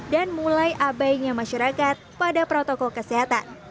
dan mulai abainya masyarakat pada protokol kesehatan